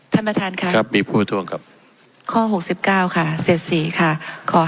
ท่านประธานข้อ๖๙